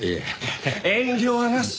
遠慮はなし。